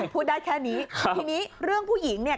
พูดได้แค่นี้ทีนี้เรื่องผู้หญิงเนี่ย